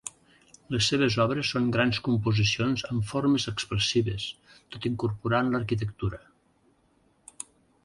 Les seves obres són grans composicions amb formes expressives, tot incorporant l'arquitectura.